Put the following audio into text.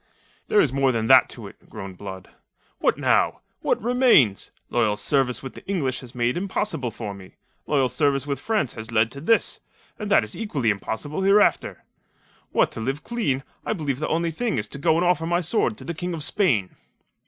"There is more than that to it," groaned Blood. "What now? What remains? Loyal service with the English was made impossible for me. Loyal service with France has led to this; and that is equally impossible hereafter. What to live clean, I believe the only thing is to go and offer my sword to the King of Spain."